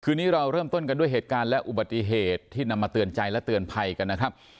นี้เราเริ่มต้นกันด้วยเหตุการณ์และอุบัติเหตุที่นำมาเตือนใจและเตือนภัยกันนะครับ